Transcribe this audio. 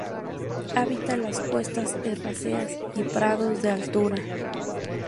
Habita las cuestas herbáceas, y prados de altura.